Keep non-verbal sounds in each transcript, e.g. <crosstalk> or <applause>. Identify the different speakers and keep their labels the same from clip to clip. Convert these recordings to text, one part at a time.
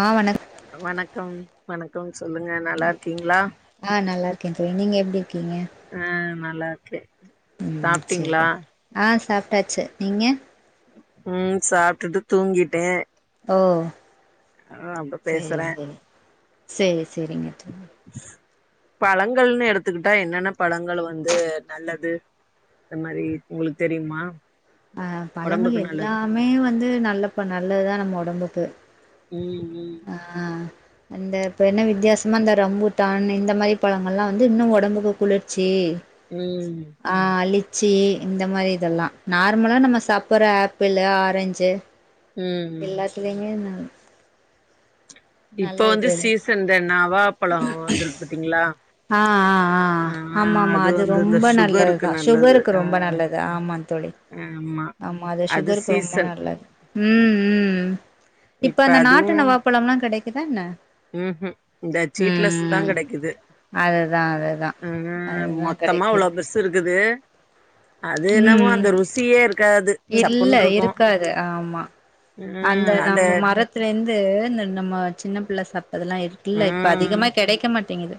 Speaker 1: ஆ வணக்
Speaker 2: வணக்கம் வணக்கம் சொல்லுங்க நல்லா இருக்கீங்ளா
Speaker 1: ஆ நல்லா இருக்க தோழி நீங்க எப்டி இருக்கீங்க
Speaker 2: ஆ நல்லா இருக்கு
Speaker 1: ம் சேரி ஆ சாப்ட்டாச்சு நீங்க
Speaker 2: ம் சாப்ட்டுட்டு தூங்கிட்ட
Speaker 1: ஓ சேரி
Speaker 2: பேசுறே
Speaker 1: சேரி சேரி சேரிங்க தோழி
Speaker 2: பழங்கள்னு எடுத்துக்கிட்டா என்னென்ன பழங்கள் வந்து நல்லது அந்த மாரி உங்களுக்கு தெரியுமா
Speaker 1: அ பழங்கள்
Speaker 2: ஒடம்புக்கு நல்லது
Speaker 1: எல்லாமே வந்து நல்ல ப நல்லதுதா நம்ம ஒடம்புக்கு
Speaker 2: ம் ம்
Speaker 1: ஆ அந்த இப்ப என்ன வித்தியாசமா இந்த ரம்புட்டான் இந்த மாரி பழங்கள்ல்லா வந்து இன்னு ஒடம்புக்கு குளிர்ச்சி
Speaker 2: ம்
Speaker 1: அ லிச்சி இந்த மாரி இதல்லா நார்மலா நம்ம சாப்பற ஆப்பிளு ஆரஞ்சு
Speaker 2: ம் ம்
Speaker 1: பிள்ளைங்கன்னா
Speaker 2: இப்போ வந்து
Speaker 1: இது
Speaker 2: சீசன் இந்த நவா பழோ வந்துருக் பாத்தீங்ளா
Speaker 1: ஆ ஆ ஆ ஆமா ஆமா அது
Speaker 2: வந்து இந்த
Speaker 1: ரொம்ப
Speaker 2: சுகருக்கு
Speaker 1: நல்லதுதா
Speaker 2: நல்லது
Speaker 1: சுகருக்கு
Speaker 2: ஆ
Speaker 1: ரொம்ப நல்லது ஆமா தோழி
Speaker 2: ஆமா
Speaker 1: ஆமா அது சுகருக்கு ரொம்ப நல்லது ம் ம் இப்ப அந்த நாட்டு நவாப்பழம்லா கடைக்குதா என்ன
Speaker 2: ம்ஹும் இந்த சீட்லெஸ் தா
Speaker 1: ம்
Speaker 2: கடைக்குது
Speaker 1: அதுதா அதுதா
Speaker 2: ம்
Speaker 1: அதுதா
Speaker 2: மொத்தமா அவ்ளோ
Speaker 1: கெடைக்குது
Speaker 2: பெருஸ் இருக்குது அது என்னவோ
Speaker 1: ம்
Speaker 2: அந்த ருசியே இருக்காது
Speaker 1: இல்ல
Speaker 2: சப்புன்னு இருக்கு
Speaker 1: இருக்காது ஆமா அந்த நம்ம மரத் துல இருந்து இந்த நம்ம சின்ன பிள்ள சாப்ட்டதெல்லா இருக்குல்ல இப்ப
Speaker 2: ம்
Speaker 1: அதிகமா கெடைக்க மாட்டேங்குது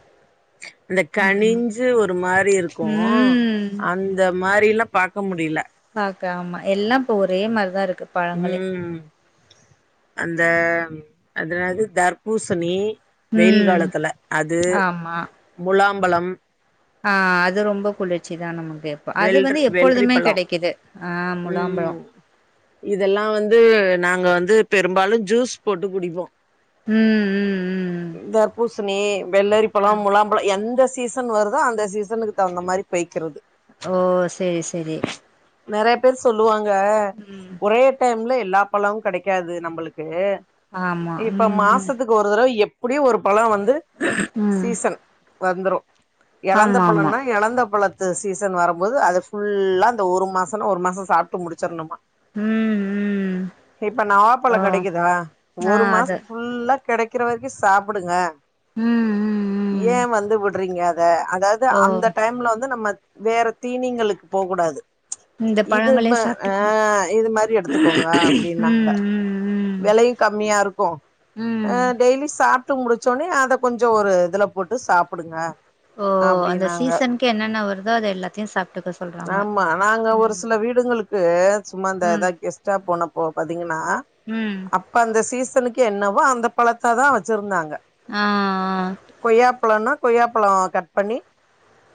Speaker 2: அந்த கணிஞ்சு ஒரு மாரி இருக்கு
Speaker 1: ம்
Speaker 2: அந்த மாரிலா பாக்க முடில
Speaker 1: பாக்க ஆமா எல்லா இப்ப ஒரே மாரிதாருக்கு
Speaker 2: உம் அந்த அதெனாது தர்பூசணி வெயில்
Speaker 1: ம்
Speaker 2: காலத்துல அது
Speaker 1: ஆமா
Speaker 2: முலாம்பழம்
Speaker 1: ஆ அது ரொம்ப குளிர்ச்சி தா நமக்கு அது
Speaker 2: வெள்ரி
Speaker 1: வந்து
Speaker 2: வெள்ரி
Speaker 1: எப்பொழுதுமே
Speaker 2: பழோ
Speaker 1: கெடைக்குது ஆ முலாம்பழோ
Speaker 2: ம் இதெல்லா வந்து நாங்க வந்து பெரும்பாலு ஜூஸ் போட்டு குடிப்போ
Speaker 1: ம் ம் ம்
Speaker 2: தர்பூசணி
Speaker 1: ஆ
Speaker 2: வெள்ளரிப்பழோ முலாம் பழோ எந்த சீசன் வருதோ அந்த சீசனுக் தகுந்த மாரி பெய்க்கறது
Speaker 1: ஓ சேரி சேரி
Speaker 2: நெறைய பேர் சொல்லுவாங்க ஒரே டைம்ல எல்லா பழமு கெடைக்காது நம்ளுக்கு
Speaker 1: ஆமா
Speaker 2: இப்ப
Speaker 1: ம் ம்
Speaker 2: மாசத்துக் ஒரு தடவ எப்டியு ஒரு பழ வந்து
Speaker 1: ம்
Speaker 2: சீசன் வந்துரு இலந்த
Speaker 1: ஆமா ஆமா
Speaker 2: பழம்னா இலந்த பழத்து சீசன் வரும்போது அத புல்லா அந்த ஒரு மாசனா ஒரு மாசோ சாப்ட்டு முடிச்சர்ணுமா
Speaker 1: ம் ம்
Speaker 2: இப்ப
Speaker 1: ஓ
Speaker 2: நவாப்பழோ கெடைக்குதா
Speaker 1: ஆ
Speaker 2: ஒரு
Speaker 1: அது
Speaker 2: மாசத்து ஃபுல்லா கெடைக்கிற வரைக்கு சாப்டுங்க
Speaker 1: ம் ம் ம்
Speaker 2: ஏ வந்து வுடுறீங்க அத அதாவது
Speaker 1: ஓ
Speaker 2: அந்த டைம்ல வந்து நம்ம வேற தீனிங்ளுக் போ கூடாது
Speaker 1: இந்த
Speaker 2: இது
Speaker 1: பழங்களே
Speaker 2: ம ஏ
Speaker 1: சாப்ட்டுக்கணு
Speaker 2: இது மாரி எடுத்துக்கங்க அப்டினாங்க
Speaker 1: ம் ம்
Speaker 2: வெள யு கம்மியா இருக்கு
Speaker 1: ம்
Speaker 2: அ
Speaker 1: ம்
Speaker 2: டெய்லி சாப் ட்டு முடிச்சோனே அத கொஞ்சோ ஒரு இதுல போட்டு சாப்டுங்க
Speaker 1: ஓ அந்த சீசனுக்கு என்னென்ன வருதோ அது எல்லாத்தயு சாப்டுக்க சொ
Speaker 2: ஆமா நாங்க ஒரு சில வீடுங்களுக்கு சும்மா இந்த
Speaker 1: ம்
Speaker 2: எதா கெஸ் ஸ்டா போனப்போ பாத்தீங்கனா
Speaker 1: ம்
Speaker 2: அப்ப அந்த சீசனுக்கு என்னவோ அந்த பழத்ததா வெச்சிருந்தாங்க
Speaker 1: அ ஆ
Speaker 2: கொய்யாப்பழோனா கொய்யாப்பழோ கட் பண்ணி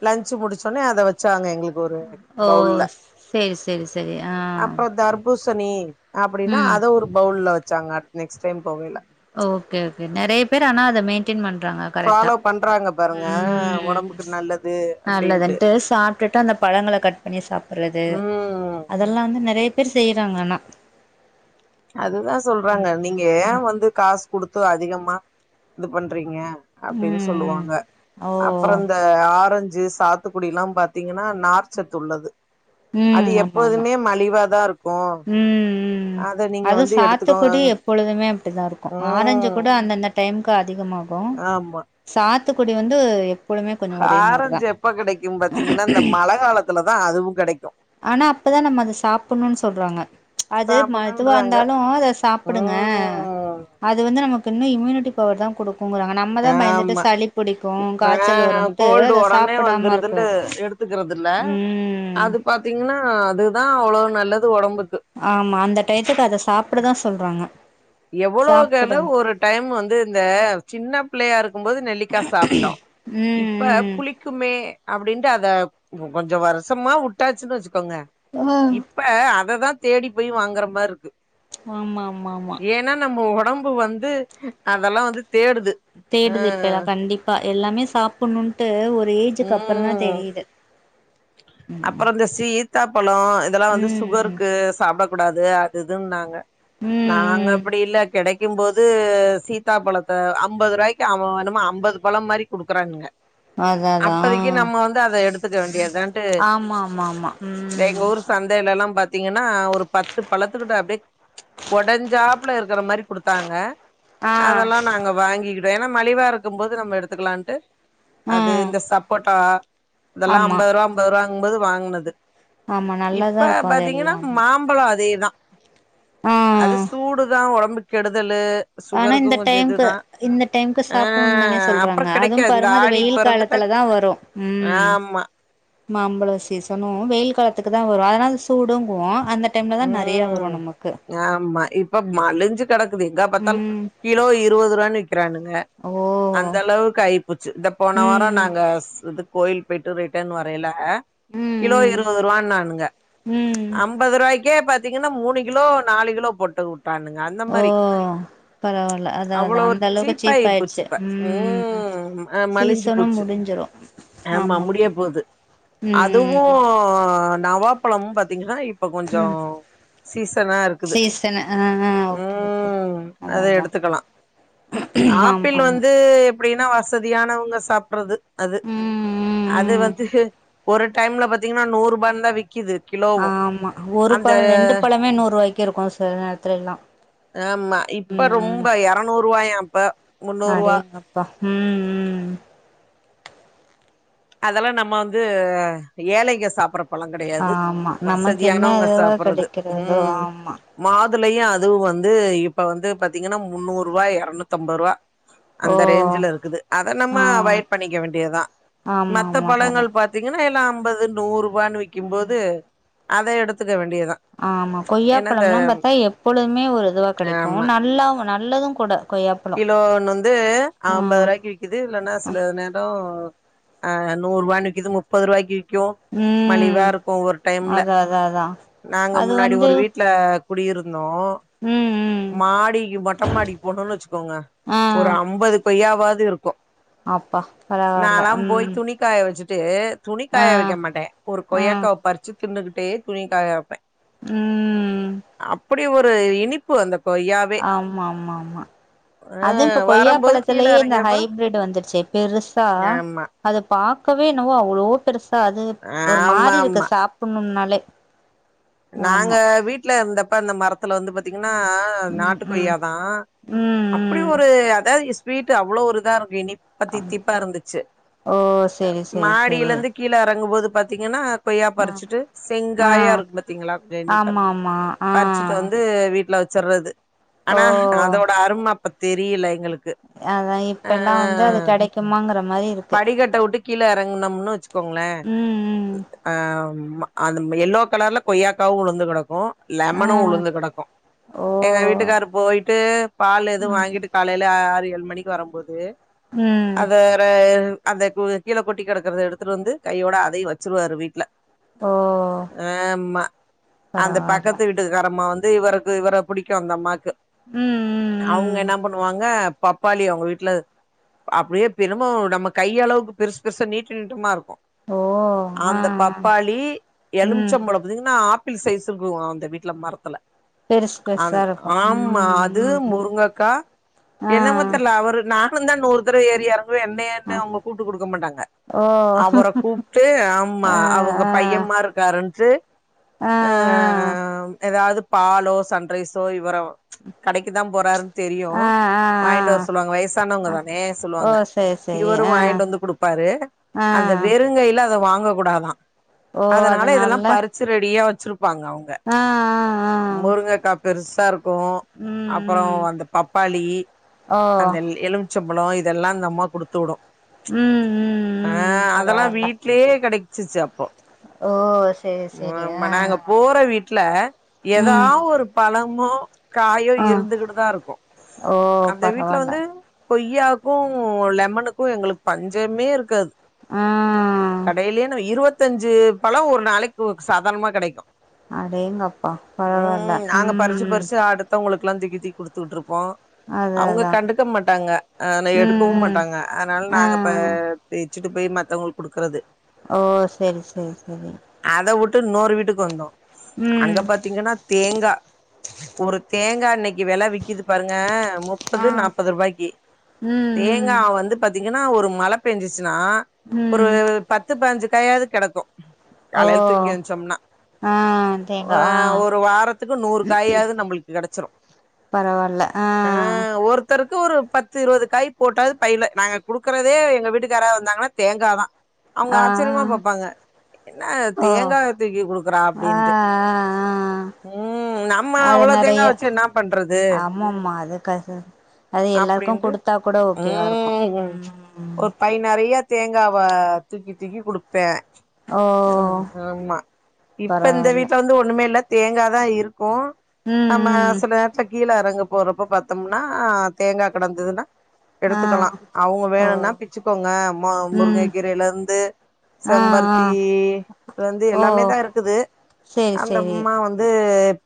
Speaker 2: லன்ச்சு முடிச்சோனே அத வெச்சாங்க எங்ளுக் ஒரு
Speaker 1: ஓ
Speaker 2: பவுல்ல
Speaker 1: சேரி சேரி சேரி ஆ
Speaker 2: அப்றோ தர் பூசணி அப்டின்னா
Speaker 1: ம்
Speaker 2: அத ஒரு பவுல்ல வெச்சாங்க அடுத் நெக்ஸ்ட் டைம் போவைல
Speaker 1: ஓகே ஓகே நெறைய பேர் ஆனா அத மெயின்டெயின் பண்றாங்க கரெட்டா
Speaker 2: ஃபாலோ பண்றாங்க பாருங்க
Speaker 1: உம்
Speaker 2: ஒடம்புக்கு நல்லது அப்டின்ட்டு
Speaker 1: நல்லதுன்ட்டு சாப்டுட்டு அந்த பழங்கள கட் பண்ணி சாப்புறது
Speaker 2: ம்
Speaker 1: அதெல்லா வந்து நெறய பேர் செய்றாங்க ஆனா
Speaker 2: அதுதா சொல்றாங்க
Speaker 1: ம் ம்
Speaker 2: நீங்க ஏ வந்து காசு குடுத்து அதிகமா இது பண்றீங்க அப்டினு
Speaker 1: ம்
Speaker 2: சொல்லுவாங்க
Speaker 1: ஓ
Speaker 2: அப்றோ இந்த ஆரஞ்சு சாத்துக்குடிலா பாத்தீங்கனா நார்ச்சத்து உள்ளது
Speaker 1: ம்
Speaker 2: அது
Speaker 1: ஆமா ஆமா
Speaker 2: எப்போதுமே மலிவாதாருக்கு
Speaker 1: ம் ம்
Speaker 2: அத நீங்
Speaker 1: அது சாத்துக்குடி எப்பொழுதுமே அப்டிதாருக்கு ஆரஞ்சு
Speaker 2: ம்
Speaker 1: கூட அந்தந்த டைமுக்கு அதிகமாகு
Speaker 2: ஆம்மா
Speaker 1: சாத்துக்குடி வந்து எப்பொழுமே கொஞ்சோ ஒரே மாரிதா
Speaker 2: ஆரஞ்சு எப்ப கெடைக்கு பாத்தீங்கனா இந்த மழ காலத்துலதா அதுவு கெடைக்கு
Speaker 1: ஆனா அப்பதா நம்ம அத சாப்புணுனு சொல்றாங்க அது ம எதுவா
Speaker 2: சாப்பணுன்றாங்க
Speaker 1: இருந்தாலு அத சாப்புடுங்க
Speaker 2: ம்
Speaker 1: அது வந்து நமக்கின்னு இம்யூனிட்டி பவர் தா குடுக் குங்குறாங்க நம்மதா பயந்துட்டு
Speaker 2: ஆமா
Speaker 1: சளி புடிக்கு
Speaker 2: ஆ
Speaker 1: காய்ச்சல் வருன்டு அத சாப்புடாம இருக்றது
Speaker 2: ஒத்துக்கிறதில்ல அது பாத்தீங்கனா அதுதா அவ்ளோ நல்லது ஒடம்புக்கு
Speaker 1: ஆமா அந்த டயத்துக்கு அத சாப்டதா சொல்றாங்க
Speaker 2: எவ்வளோக்கெளவ்
Speaker 1: சாப்புடுங்
Speaker 2: ஒரு டைம் வந்து இந்த சின்ன பிள்ளையா இருக்கும்போது நெல்லிக்கா சாப்ட்டோ இப்ப
Speaker 1: ம்
Speaker 2: புளிக் குமே அப்டின்ட்டு அத கொஞ்சோ வருஷமா உட்டாச்சின் வச்சிக்கோங்க
Speaker 1: எமேம்
Speaker 2: இப்ப அததா தேடிப்பொய் வாங்குற மார்ருக்கு
Speaker 1: ஆமாமாமா
Speaker 2: ஏனா நம்ம ஒடம்பு வந்து அதெல்லா வந்து தேடுது ஆ
Speaker 1: தேடுது இப்பயெல்லா கண்டிப்பா எல்லாமே சாப் புட்னுன்ட்டு ஒரு ஏஜுக்கு அப்பறொதா தெரியிது
Speaker 2: அப்பறொ இந்த சீத்தா பழோ இதெல்லா வந்து
Speaker 1: ம்
Speaker 2: சுகருக்கு கு சாப்டக்கூடாது அது இதுன்னாங்க
Speaker 1: ம்
Speaker 2: நாங்க
Speaker 1: ம்
Speaker 2: அப்டி இல்ல கெடைக் கிம் போது சீதா பழத்தை ஐம்பது ருவாய்க்கு அவானமா ஐம்பது பழம் மாரி குடுக்கறானுங்க
Speaker 1: அதா அதா
Speaker 2: அப்பதைக்கு நம்ம வந்து அத எடுத்துக்க வேண்டியத் தான்ட்டு
Speaker 1: ஆமா ஆமா ஆமா
Speaker 2: எங்க
Speaker 1: ம்
Speaker 2: ஊர் சந்தையிலலா பாத்தீங்கனா ஒரு பத்து பழத்துக்கிட்ட அப்டியே ஒடஞ்சாப்ல இருக்குற மாரி குடுத்தாங்க
Speaker 1: ஆ
Speaker 2: அதெல்லா நாங்க வாங்கிக்கிடுவோ ஏனா மலிவா இருக்கும் போது நம்ம எடுத்துக்குலான்ட்டு
Speaker 1: ஆ
Speaker 2: அது இந்த சப்போட்டா இதெல்லா
Speaker 1: ஆமா
Speaker 2: ஐம்பது ருவா ஐம்பது ருவாங்ம்பது வாங்னது
Speaker 1: ஆமா நல்லாதா
Speaker 2: இப்ப
Speaker 1: இருக்கு அது
Speaker 2: பாத்தீங்கனா
Speaker 1: எல்லாமே
Speaker 2: மாம் பளோ அதேதா
Speaker 1: ஆ
Speaker 2: அது சூடுதா ஒடம்புக் கெடுதலு
Speaker 1: ஆனா
Speaker 2: சுகருக்கு
Speaker 1: இந்த
Speaker 2: கொஞ்சொ
Speaker 1: டைம்க்கு
Speaker 2: இதுதா
Speaker 1: இந்த டைம்க்கு சாப்புட்ணுன் தானே
Speaker 2: ஆஹ் அப்றொ
Speaker 1: சொல்றாங்க அதுவு
Speaker 2: கெடைக்காத் இந்த
Speaker 1: பாருங்க அது வெயில்
Speaker 2: ஆடிப்பெறந்துட்டா
Speaker 1: காலத்துல தா
Speaker 2: ஆமா
Speaker 1: மாம்பழ சீசனூ வெயில் காலத்துக்குதா வரு அதனால சூடுங்குவோ அந்த டைம்லதா நெறையா
Speaker 2: ம்
Speaker 1: வரு நமக்கு
Speaker 2: ஆமா இப்ப மலிஞ்சு கெடக்குது எங்கா பாத்தால்
Speaker 1: ம்
Speaker 2: கிலோ இருவது ருவான் விக்கிறானுங்க
Speaker 1: ஓ
Speaker 2: அந்த அளவுக் ஆய்ப்போச்சு இந்த போன வாரோ
Speaker 1: ம்
Speaker 2: நாங்கஸ் இது கோயில்க் பொயிட்டு ரிட்டர்ன் வரையில கிலோ
Speaker 1: ம் ம்
Speaker 2: இருவது ருவான்னானுங்க
Speaker 1: ம்
Speaker 2: ஐம்பது ருவாய்க் கே பாத்தீங்கனா மூணு கிலோ நாலு கிலோ போட்டு உட்டானுங்க அந்த
Speaker 1: ஓ
Speaker 2: மாரி
Speaker 1: பரவால்ல அதா அதா
Speaker 2: அவ்வளவொரு
Speaker 1: அந்த அளவுக்கு
Speaker 2: சீப்பாயி
Speaker 1: சீப் ஆயிடுச்சு
Speaker 2: போச்சுப்ப
Speaker 1: ம்
Speaker 2: உம் அ மலிஞ்சு
Speaker 1: சீசனு
Speaker 2: போச்சு
Speaker 1: முடிஞ்சிரு
Speaker 2: ஆமா முடிய போது
Speaker 1: ம்
Speaker 2: அதுவு
Speaker 1: ம்
Speaker 2: நவாப் பழமு பாத்தீங்கனா இப்ப கொஞ்சோ
Speaker 1: ம் ம்
Speaker 2: சீசனா இருக்குது
Speaker 1: சீசனு ஆ ஆ ஓகே ஓகே
Speaker 2: உம்
Speaker 1: ஓகே
Speaker 2: அத
Speaker 1: அதா அதா
Speaker 2: எடுத்துக்கலா
Speaker 1: ஆமா
Speaker 2: ஆப்பிள்
Speaker 1: ஆமா
Speaker 2: வந்தூ எப் ப்டினா வசதியானவங்க சாப்ட்றது அது
Speaker 1: ம் ம்
Speaker 2: அது
Speaker 1: ம்
Speaker 2: வந்து ஒரு டைம்ல பாத்தீங்கனா நூற் ருபானுதா விக்கிது கிலோவு
Speaker 1: ஆமா ஒரு
Speaker 2: அந்த
Speaker 1: பழொ ரெண்டு பழமே நூறு ருவாய்க்கு இருக்கு சில நேரத்துலைலா
Speaker 2: ஆமா இப்ப ரொம்ப எரநூர் ருவாயாப்ப முன்னூருவா
Speaker 1: உம் உம்
Speaker 2: அதெல்லா நம்ம வந்து ஏழைங்க சாப்புறப் பழங் கெடையாது
Speaker 1: ஆமா நமக்கு என்ன
Speaker 2: வசதியானவங்க
Speaker 1: இதுவோ
Speaker 2: சாப்பர்றது
Speaker 1: கெடைக்கிறதோ
Speaker 2: ம்
Speaker 1: ஆமா
Speaker 2: மாதுலையு அதுவு வந்து இப்ப வந்து பாத்திங்கன்னா முன்னூருவா இரநூத்தம்பதுருவா
Speaker 1: ஓ
Speaker 2: அந்த ரேஞ்சுல இருக்குது அத நம்ம
Speaker 1: ஆ
Speaker 2: அவாய்ட் பண்ணிக்க வேண்டியதுதா
Speaker 1: ஆமா
Speaker 2: மத்த
Speaker 1: ஆமா
Speaker 2: பழங்கள்
Speaker 1: கரெக்ட்
Speaker 2: பாத் திங்கன்னா எல்லா ஐம்பது நூர்ருவான்னு விக்கும்போது அத எடுத்துக்க வேண்டியதா
Speaker 1: ஆ ஆமா
Speaker 2: ஏன்னா இந்த
Speaker 1: கொய்யாப்பழம்லா பாத்தா எப்பொழுதுமே ஒரு இதுவா கெடைக்கு
Speaker 2: ஆமா
Speaker 1: நல்லாவு நல்லது கூட கொய்யாப்பழோ
Speaker 2: கிலோ ஒன்னு வந்து
Speaker 1: ஆ
Speaker 2: ஐம்பது ருவாய்க்கு விக் குது இல்லன்னா சில நேரோ ஆ நூருவான்னு விக்குது முப்பதுருவாய்க்கு விக்கு
Speaker 1: ம்
Speaker 2: மலிவா இருக்கு ஒவ்வொரு டைம்ல
Speaker 1: அதா அதா அதா
Speaker 2: நாங்க
Speaker 1: அது
Speaker 2: முன்னாடி
Speaker 1: வந்து
Speaker 2: ஒரு வீட் ல குடியிருந்தோ
Speaker 1: ம் ம்
Speaker 2: மாடிக்கு மொட்டமாடிக்கு போனுன்னு வச்சுக் அ
Speaker 1: ஆ
Speaker 2: ஒரு ஐம்பது கொய்யா வாது இருக்கு
Speaker 1: அப்பா பரவால்ல
Speaker 2: நாலா
Speaker 1: ம்
Speaker 2: போய் துணி காய வச்சுட்டு
Speaker 1: ஆ
Speaker 2: துணிக்காய வெக்க மாட்ட ஒரு
Speaker 1: ஆ
Speaker 2: கொய்யாக்காவ பறிச்சு தின்னுகிட்டே துணி காய வெப்ப
Speaker 1: ம்
Speaker 2: அப்படி ஒரு இனிப்பு அந்த கொய்யாவே
Speaker 1: அம்மா அம்மா அம்மா அதூ இப்ப
Speaker 2: வரம்போது கீழ
Speaker 1: கொய்யாப்பழத்துலயே இந்த
Speaker 2: எறங்கியப்ப
Speaker 1: ஹைபிரிட் வந்துருச்சு பெருசா
Speaker 2: ஆமா
Speaker 1: அத பாக்கவே என்னவோ அவ்ளோ பெருசா அது ஒரு
Speaker 2: ஆமா
Speaker 1: மாரி இருக்கு
Speaker 2: ஆமா
Speaker 1: சாப்புன்னுனாலே
Speaker 2: நாங்க வீட்ல இருந்தப்ப அந்த மரத்துல வந்து பாத் திங்ன்னா
Speaker 1: ம்
Speaker 2: நாட்டு
Speaker 1: ம்
Speaker 2: கொய்யாதா
Speaker 1: ம்
Speaker 2: அப்படி
Speaker 1: ம்
Speaker 2: ஒரு அதாவ் ஸ் வீட்டு் அவ்ளோ ஒரு இதா இருக்கு இனிப்தித்திப்பா இருந்துச்சு
Speaker 1: ஓ செரி செரி செரி
Speaker 2: மாடியிலருந்து க் கீழ எறங்கும்போது பாத்திங்கன்னா கொய்யா
Speaker 1: ஆ
Speaker 2: பறிச்சிட்டு
Speaker 1: ஆ
Speaker 2: செங்காய இருக்குனு பாத்திங்களா <unintelligible>
Speaker 1: ஆமா ஆமா ஆ
Speaker 2: பறிச்சிட்டு வந்து வீட்டுல வெச்சற்றது
Speaker 1: ஓ
Speaker 2: அனா அதோட அரும அப்ப தெரில எங்களுக்கு
Speaker 1: அதா
Speaker 2: ஆ
Speaker 1: இப்பெல்லா வந்து அது கெடைக்குமாங்கற மாரி இருக்கு
Speaker 2: இத டவுட்டு கீழ எறங்கனம்னு வச்சுக்கோங்களே
Speaker 1: ம் ம்
Speaker 2: அ அந்த எல்லோக் கலர்ல கொய்யாக்காவு உழுந்து கடக்கு
Speaker 1: ஆ
Speaker 2: லெமனு உழுந்து கடக்கு
Speaker 1: ஓ
Speaker 2: எங்க வீட்டுக்காரு போயிட்டு பால் எதூ
Speaker 1: ம்
Speaker 2: வாங்கிட்டு காலைல ஆறு ஏழு மணிக்கு வரம்போது
Speaker 1: ம்
Speaker 2: அத <unintelligible> அத கு கீழ கொட்டி கடக்கறத எடுத்துட்டு வந்து கையோட அதையு வச்சுருவாரு வீட்ல
Speaker 1: ஓ
Speaker 2: ஆமா அந்த
Speaker 1: பரவால்ல
Speaker 2: பக்கத்து வீட்டுக்காரம்மா வந்து இவருக்கு இவர புடிக்கு அந்த அம்மாக்கு
Speaker 1: ம் ம்
Speaker 2: அவுங்க
Speaker 1: ம்
Speaker 2: என்ன பண்ணுவாங்க பப்பாளி அவுங்க வீட்ல அப்படியே பினமு நம்ம கையளவுக்கு பெருசு பெருசா நீட்டு நீட்டமா இருக்கு
Speaker 1: ஓ ஆ ஆ
Speaker 2: ஆந்த் பாப்பாளி
Speaker 1: ம்
Speaker 2: எழும்ச்சபழம் இதுங்ன்னா ஆப்பிள் சைஸ்ங்குவா அந்த வீட்ல மரத்துல
Speaker 1: பெருசு
Speaker 2: அந்
Speaker 1: பெருசா இருக்கு
Speaker 2: ஆமா
Speaker 1: ம்
Speaker 2: அது
Speaker 1: ம் ம்
Speaker 2: முருங்கக்கா
Speaker 1: ஆ
Speaker 2: என்னமோ தெர்ல அவரு நானுந்தா நூரு தரவ ஏறி எறங் <unintelligible> என்னயேந்த
Speaker 1: ஆ
Speaker 2: அவுங்க கூப்ட்டு குடுக்க மாட்டாங்க
Speaker 1: ஓ
Speaker 2: அவர கூப்ட்டு ஆம்மா
Speaker 1: ஆ
Speaker 2: அவுங்க
Speaker 1: ஆ
Speaker 2: பைய்யம்மார் இருக்காருன்ட்டு
Speaker 1: ஆ ஆ
Speaker 2: அ எதாவது பாலோ சன்ரைஸோ இவர கடைக்குதா போறாருன்னு தெரியு
Speaker 1: ஆ
Speaker 2: வாயின்ட்டு
Speaker 1: ஆ
Speaker 2: வர சொல்லுவாங்க
Speaker 1: ஆ
Speaker 2: வயசானவங்கதானே
Speaker 1: ஓ
Speaker 2: சொல்லுவாங்க
Speaker 1: சேரி சேரி
Speaker 2: இவரு
Speaker 1: ஆ
Speaker 2: வாயின்ட்டு வந்து குடுப்பாரு
Speaker 1: ஆ
Speaker 2: அந்த வெறுங்கையில அத வாங்க கூடாதா அதனால இதல்லா பரு ச்சு ரெடியா வெச்சிருப்பாங்க அவுங்க
Speaker 1: ஆ ஆ ஆ
Speaker 2: முருங்கக்கா பெருசா இருக்கு
Speaker 1: ம்
Speaker 2: அப்பறோ
Speaker 1: ம்
Speaker 2: அந்த பப்பாளி
Speaker 1: ஓ
Speaker 2: அந்த எலும் சொம்பளோ இதெல்லாம் அந்த அம்மா குடுத்து வுடும்
Speaker 1: ம் ம்
Speaker 2: ஆ
Speaker 1: ம்
Speaker 2: அதெல்லா
Speaker 1: பரவால்ல
Speaker 2: வீட் கிளே கெடச்சிச்சு அப்போ
Speaker 1: ஓ ஸ்
Speaker 2: மோம்மா நாங்க போற வீட்ல எதா
Speaker 1: ம்
Speaker 2: ஒரு பழமோ காயோ
Speaker 1: ஆ
Speaker 2: இருந்துகிட்டுதா இருக்கும்
Speaker 1: ஓ
Speaker 2: அந்த வீட்ல
Speaker 1: பரவால்ல
Speaker 2: வந்து கொய்யாக்கு லெமனுக்கு எங்களுக்கு பஞ்சமேருக்காது
Speaker 1: ம்
Speaker 2: கடையிலேயேன்னு இருவத்தஞ்சு பழோ ஒரு நாளைக் ஓக் சாதார்ணமா கெடக்கு
Speaker 1: அடேங்ப்பா பரவால்ல உம்
Speaker 2: மத்தவங்களுக்குலா தூக்கி தூக்கி குடுத்து உட்ருப்போ
Speaker 1: அதா
Speaker 2: அவுங்க
Speaker 1: அதா
Speaker 2: கண்டுக்கமாட்டாங்க ஆ
Speaker 1: ம்
Speaker 2: எடுக்கவும்மாட்டாங்க அத்னால
Speaker 1: ஆ
Speaker 2: நாங்க பெ பிச்சிட்டு போய் மத்தவங்களுக்கு குடுக்குற்து
Speaker 1: ஓ செரி செரி செரி
Speaker 2: அத வுட்டு ன்னொரு வீட்டுக்கு வந்தோ அங்க
Speaker 1: ம்
Speaker 2: பாத்தீங்கன்னா தேங்கா ஒரு தேங்கா இன்னிக்கி வெல விக்கிது பாருங்க முப் முப்பது
Speaker 1: ஆ
Speaker 2: நாப்பது ரூபாய்க்கி
Speaker 1: ம்
Speaker 2: தேங்கா
Speaker 1: ம்
Speaker 2: வந்து பாத்தீங்கன்னா ஒரு மழ பெஞ்சுச்சுன்னா ஒரு
Speaker 1: ம்
Speaker 2: பத்து பதினஞ்சி காயாவ்து கெடக்கு
Speaker 1: ஓ
Speaker 2: காலைல் தூங்கி என்ச்சோம்னா
Speaker 1: ஆ
Speaker 2: ஆ ஒரு வாரத்துக்கு நூறு காயாவ்து நம்பளுக்கு கெடச்சிரு
Speaker 1: பரவால்ல ஆ
Speaker 2: ஒர்த்தருக்கு ஒரு பத்து இருவது காய் போட்டாவ்து பைலே நாங்க குடுக்கறதே எங்க வீட்டுக்கு யாராவ்து வந்தாங்கன்னா தேங்கா தா அவுங்க
Speaker 1: ஆ
Speaker 2: ஆச்சர்யமா பாப்பாங்க என்னா
Speaker 1: ஓ
Speaker 2: தேங்காவ தூக்கி குடுக்றா
Speaker 1: ஆ ஆ
Speaker 2: அப்டின்ட்டு
Speaker 1: ஆ
Speaker 2: உம் நம்ம
Speaker 1: அது
Speaker 2: அவ்ளோ தேங்கா
Speaker 1: நெறைய
Speaker 2: வச்சு என்னா பண்றது
Speaker 1: ஆமாம்மா அது கச அது எல்லாருக்கு
Speaker 2: அப்டின்டு
Speaker 1: குடுத்தா கூட ஓகேவா இருக்கு
Speaker 2: ம் ஹூம்
Speaker 1: ம்
Speaker 2: ஒரு பை நெறைய தேங்காவ தூக்கி தூக்கி குடுப்பே
Speaker 1: ஓ
Speaker 2: ம் ஹாம்மா இப்ப இந்த
Speaker 1: பரவால்ல
Speaker 2: வீட்ல வந்து ஒண்ணுமேல்ல தேங்கதா இருக்கு
Speaker 1: ம்
Speaker 2: நம்ம
Speaker 1: ம்
Speaker 2: சில ச கீழ எறங்க போறப்ப பாத்தோம்னா தேங்கா கடந்ததுனா
Speaker 1: ஆ
Speaker 2: எடுத்துகலா அவுங்க
Speaker 1: ஓ
Speaker 2: வேணுனா பிச்சுக்கோங்க மா
Speaker 1: ம்
Speaker 2: முருங்ககீரைல இருந்து
Speaker 1: ஆ ஆ
Speaker 2: செம்பருத்தி இ இது வந்து
Speaker 1: ஓ
Speaker 2: எல்லாமே தா இருக்குது
Speaker 1: சேரி சேரி
Speaker 2: அந்தம்மா வந்து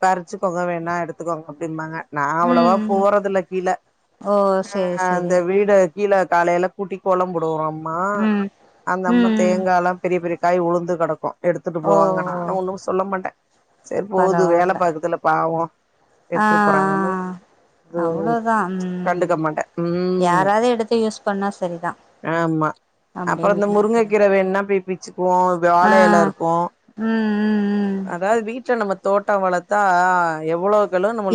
Speaker 2: பற்ச்சுக்கோங்க வேணா எடுத்துக்கோங்க அப்டிம்பாங்க நா அவ்ளவா
Speaker 1: ம் ம்
Speaker 2: போறதில்ல கீழ
Speaker 1: ஓ
Speaker 2: அ
Speaker 1: சேரி
Speaker 2: அந்த
Speaker 1: சேரி
Speaker 2: வீடு கீழ காலேல கூட்டி கோலோ போடும் ஒரு அம்மா
Speaker 1: ம்
Speaker 2: அந்தம்மா
Speaker 1: ம்
Speaker 2: தேங்காலாம் பெரிய பெரிய காய் வுழுந்து கடக்கு எடுத்துட்டு
Speaker 1: ஓ
Speaker 2: போவாங்க நானு ஒண்ணுஸ் சொல்ல மாட்டே செர் போது வேல
Speaker 1: பரவால்ல
Speaker 2: பாக்குதுல பாவோ எத்துரு போறாகன்னு
Speaker 1: அவ்ளோ தா உம்
Speaker 2: ம்
Speaker 1: யாராது எடுத்து யூஸ் பண்ணா செரி தா
Speaker 2: ஆம் மா அப்றோ இந்த முருங்க கீர வேண்ணா போய் பிச்சுக்குவோ
Speaker 1: ஆ
Speaker 2: வாழ எல இருக்கு
Speaker 1: ம் ம் ம்
Speaker 2: அதாது வீட்ல நம்ம தோட்டோ வளத்தா எவ்ளோ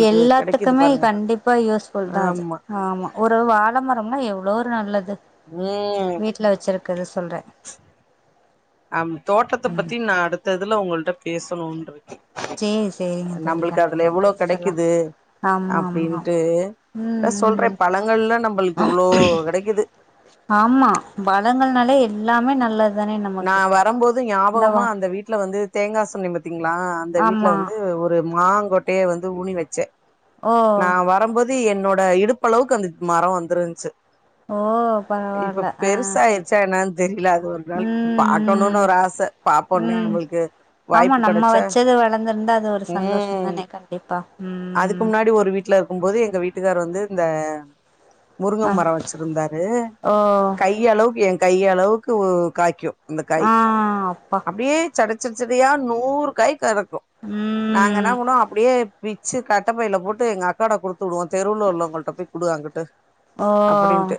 Speaker 1: எல்லாத்துக்குமே கண்டிப்பா யூஸ்புல் தா அது
Speaker 2: ஆமா
Speaker 1: ஆம்மா ஒரு வாழமரம்னா எவ்ளோ ஒரு நல்லது
Speaker 2: ம்
Speaker 1: வீட்ல வச்ருக்றத சொல்றே
Speaker 2: அம் தோட்டத்த
Speaker 1: ம்
Speaker 2: பத்தி நா அடுத்த இதுல உங்கள்ட பேசணுன்ருக்க
Speaker 1: சேரி
Speaker 2: ஆ
Speaker 1: சேரிங்க தோழி
Speaker 2: நம்ளுக்கு அதுல
Speaker 1: கண்டிப்பா
Speaker 2: எவ்ளோ
Speaker 1: பேசலா
Speaker 2: கெடக்குது
Speaker 1: ஆமா ஆமா
Speaker 2: அப்டின்ட்டு
Speaker 1: ம்
Speaker 2: நா சொல்ற
Speaker 1: ம்
Speaker 2: பழங்கள்லா நம்ளுக்கு இவ்ளோ கெடக்குது
Speaker 1: ஆமா பழங்கள்னாலே எல்லாமே நல்லது தானே
Speaker 2: நா
Speaker 1: நமக்கு
Speaker 2: வரம்போது ஞாபகமா
Speaker 1: இந்தவா
Speaker 2: அந்த வீட்ல வந்து தேங்கா சென்ன பாத்தீங்ளா இந்த வீட்ல
Speaker 1: ஆமா
Speaker 2: வந்து ஒரு மாங்கொட்டய வந்து ஊனி வச்செ
Speaker 1: ஓ
Speaker 2: நா வரம்போது இது என்னோட இடுப்பு அளவுக்கு அந்த மரோ வந்துருந்ச்சி
Speaker 1: ஓ பரவால்ல ஆ
Speaker 2: <unintelligible> என்னன் தெரியில அது வந்
Speaker 1: ம்
Speaker 2: பாக்கணுனு
Speaker 1: ம்
Speaker 2: ஒரு ஆச பாப்போனு
Speaker 1: ம்
Speaker 2: <unintelligible>
Speaker 1: ஆமா நம்ம வச்சது வளந்திருந்தா அது ஒரு சந்தோஷோ
Speaker 2: ம்
Speaker 1: தானே கண்டிப்பா ம்
Speaker 2: அதுக்கு முன்னாடி ஒரு வீட்ல இருக்கு போது எங்க வீட்டுக்காரு வந்து இந்த
Speaker 1: ஆ
Speaker 2: முருங்கமரோ வச்சிருந்தாரு
Speaker 1: ஓ
Speaker 2: கைய் அளவுக்கு எ கைய் அளவுக்கு காக்கியூ அந்த காய்
Speaker 1: ஆ அப்பா
Speaker 2: அப்டியே சடச்சடுச்சடயா நூறு காய் கதக்கு நாங்க என்ன
Speaker 1: ம்
Speaker 2: பண்ணுவோ அப்டியே பிச்சு கட்டப்பைல போட்டு எங்க அக்காட குடுத்து வுடுவோ தெருள உள்ளவங்ட போய் குடு அங்குட்டு அப்டின்ட்டு
Speaker 1: ஓ